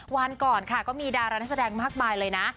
วันก่อนค่ะก็มีดารานักแสดงมากมายเลยนะ